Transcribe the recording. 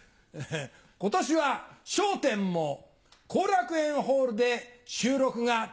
今年は『笑点』も後楽園ホールで収録ができた。